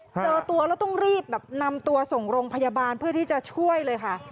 เจอตัวแล้วต้องรีบแบบนำตัวส่งโรงพยาบาลเพื่อที่จะช่วยเลยค่ะ